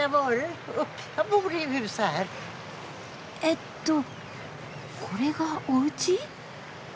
えっとこれがおうち！？